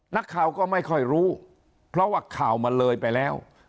นักข่าวก็ไม่ค่อยรู้เพราะว่าข่าวมันเลยไปแล้ว